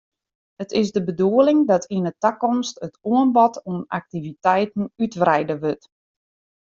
It is de bedoeling dat yn 'e takomst it oanbod oan aktiviteiten útwreide wurdt.